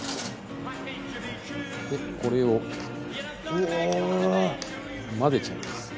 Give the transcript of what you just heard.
これを混ぜちゃいます。